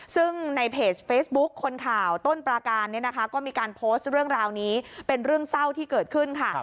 ซึ่งในเพจเฟซบุ๊คคนข่าวต้นปราการเนี่ยนะคะก็มีการโพสต์เรื่องราวนี้เป็นเรื่องเศร้าที่เกิดขึ้นค่ะ